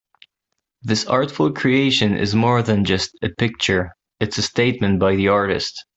This artful creation is more than just a picture, it's a statement by the artist.